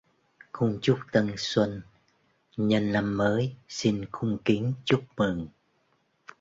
Cung chúc tân xuân: nhân năm mới, xin cung kính chúc mừng